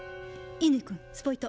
乾君スポイト！